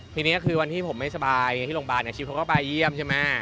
ทีนี้คือวันที่ผมไม่สบายที่โรงพยาบาลคิวเขาก็ไปเยี่ยมใช่ไหม